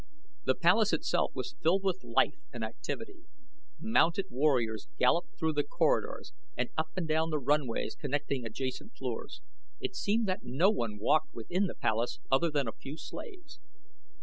The palace itself was filled with life and activity. Mounted warriors galloped through the corridors and up and down the runways connecting adjacent floors. It seemed that no one walked within the palace other than a few slaves.